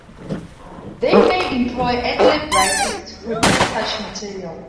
They may employ "ad-lib writers" to prepare such material.